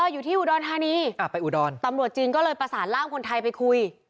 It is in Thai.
อยู่ที่อุดรธานีไปอุดรตำรวจจีนก็เลยประสานร่างคนไทยไปคุย